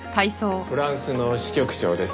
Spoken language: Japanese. フランスの支局長です。